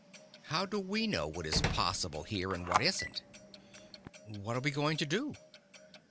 "How do we know what is possible here and what isn't?" "What are we going to do?"